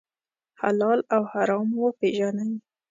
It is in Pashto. حلال او حرام وپېژنئ.